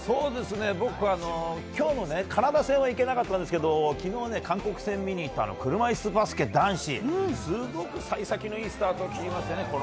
僕は、今日のカナダ戦は行けなかったんですけど昨日、韓国戦を見に行った車いすバスケ男子すごく幸先のいいスタートを切りましてね。